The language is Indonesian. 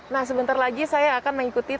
nah sebentar lagi saya akan mengikuti